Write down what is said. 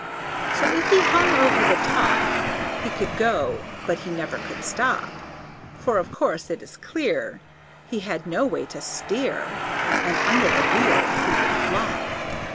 Or if he hung over the top, He could go, but he never could stop; For of course it is clear He had no way to steer, And under the wheel he would flop.